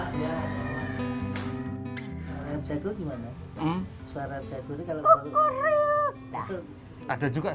suara jago gimana